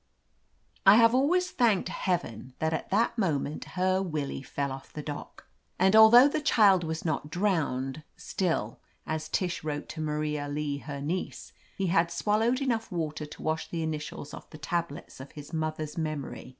I have always thanked Heaven that at that moment her Willie fell off the dock, and al 218 OF LETITIA CARBERRY though the child was not drowned, still, as Tish wrote to Maria Lee, her niece, "he had swallowed enough water to wash the initials off the tablets of his mother's memory."